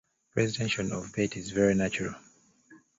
Presentation of bait is very natural.